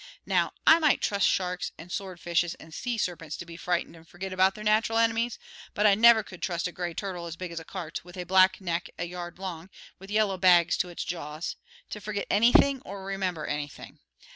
Now, I might trust sharks and swordfishes and sea serpents to be frightened and forget about their nat'ral enemies, but I never could trust a gray turtle as big as a cart, with a black neck a yard long, with yellow bags to its jaws, to forget anything or to remember anything.